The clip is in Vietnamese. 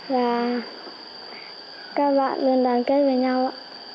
và các bạn luôn đoàn kết với nhau ạ